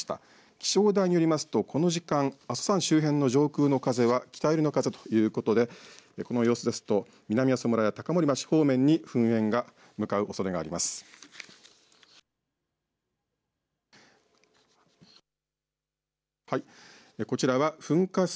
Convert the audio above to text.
気象台によりますとこの時間阿蘇山周辺の上空の風は北寄りの風ということでこの様子ですと南阿蘇村や高森町方面に噴煙が向かうおそれがあります。